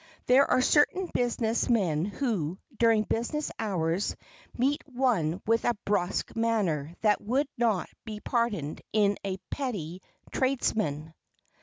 There are certain business men who, during business hours, meet one with a brusk manner that would not be pardoned in a petty tradesman.